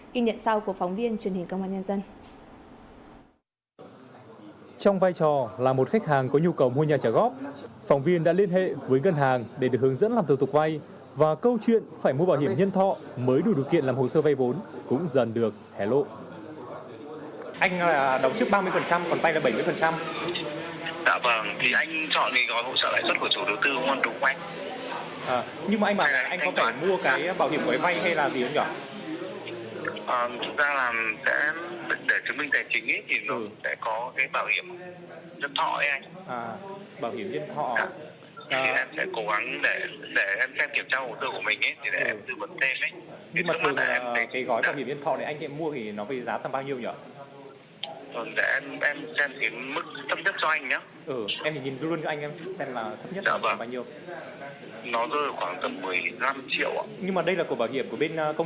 kinh nhận sau của phóng viên truyền hình công an nhân dân